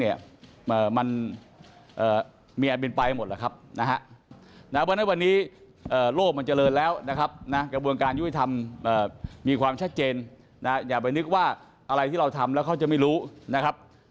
อย่าไปทำมีความชัดเจนอย่าไปนึกว่าอะไรที่เราทำแล้วเขาจะไม่รู้นะครับ